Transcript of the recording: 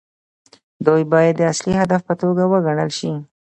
دوی باید د اصلي هدف په توګه وګڼل شي.